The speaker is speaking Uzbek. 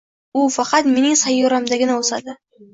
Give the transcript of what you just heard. u faqat mening sayyoramdagina o‘sadi.